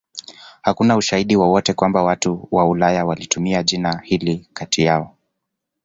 Hakuna ushahidi wowote kwamba watu wa Ulaya walitumia jina hili kati yao.